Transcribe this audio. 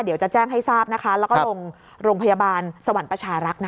เดี๋ยวจะแจ้งให้ทราบนะคะแล้วก็ลงโรงพยาบาลสวรรค์ประชารักษ์นะคะ